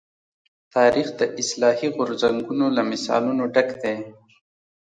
تاریخ د اصلاحي غورځنګونو له مثالونو ډک دی.